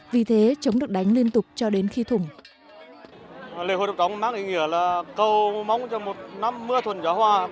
vì thế trống được đánh liên tục cho đến khi thủng